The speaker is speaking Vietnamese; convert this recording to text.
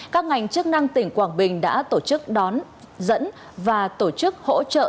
các ngành chức năng tỉnh quảng bình đã tổ chức đón dẫn và tổ chức hỗ trợ